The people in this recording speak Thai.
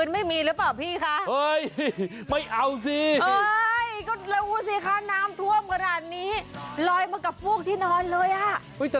ไม่มันอยากขึ้นยอด